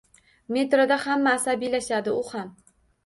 Metroda hamma asabiylashadi u ham.